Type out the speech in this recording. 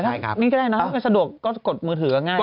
นี่ก็ได้นะถ้าเป็นสะดวกก็กดมือถือก็ง่าย